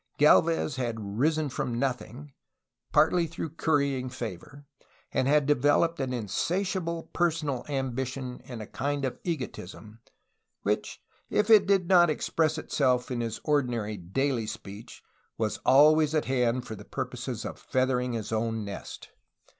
Gdlvez had risen from nothing, partly through currying favor, and had developed an in 210 A HISTORY OF CALIFORNIA satiable personal ambition and a kind of egotism, which if it did not express itself in his ordinary daily speech was al ways at hand for the purpose of ^'feathering his own nest.''